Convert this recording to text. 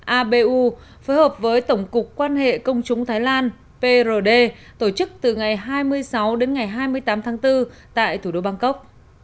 abu phối hợp với tổng cục quan hệ công chúng thái lan prd tổ chức từ ngày hai mươi sáu đến ngày hai mươi tám tháng bốn tại thủ đô bangkok